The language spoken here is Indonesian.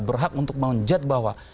berhak untuk menjat bahwa